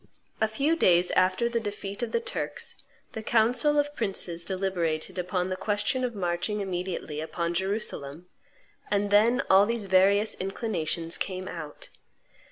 A few days after the defeat of the Turks, the council of princes deliberated upon the question of marching immediately upon Jerusalem, and then all these various inclinations came out.